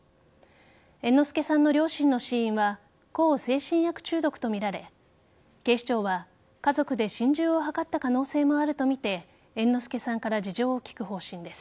猿之助さんの両親の死因は向精神薬中毒とみられ警視庁は家族で心中を図った可能性もあるとみて猿之助さんから事情を聴く方針です。